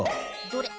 どれ？